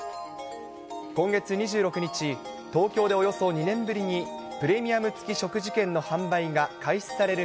今月２６日、東京でおよそ２年ぶりにプレミアム付き食事券の販売が開始される